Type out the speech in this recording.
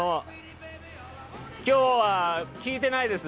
今日は聞いてないです。